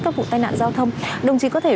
các vụ tai nạn giao thông đồng chí có thể